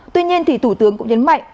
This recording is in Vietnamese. tuy nhiên thì thủ tướng cũng nhấn mạnh